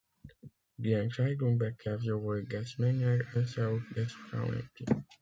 Die Entscheidung betraf sowohl das Männer- als auch das Frauenteam.